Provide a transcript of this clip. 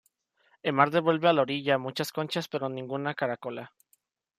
El mar devuelve a la orilla muchas conchas pero ninguna caracola.